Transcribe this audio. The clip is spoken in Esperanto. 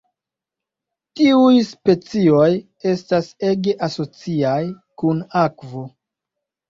Tiuj specioj estas ege asociaj kun akvo.